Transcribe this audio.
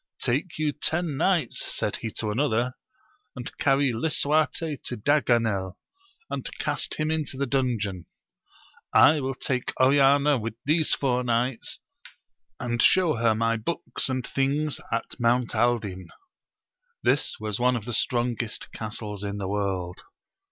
Take you ten knights, said he to another, and cany Lisuarte to Daganel, and cast him into the dungeon. I will take Oriana with these four knights, and show her my books and things at Mount Aldin : this was one of the strongest castles in the world.